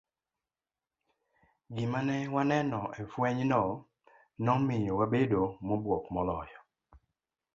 Gima ne waneno e fwenyno nomiyo wabedo mobuok moloyo.